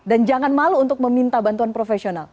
dan jangan malu untuk meminta bantuan profesional